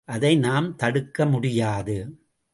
அதை நாம் தடுக்க முடியாது.